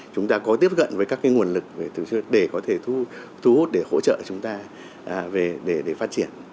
chúng ta có tiếp cận với các nguồn lực để có thể thu hút để hỗ trợ chúng ta về để phát triển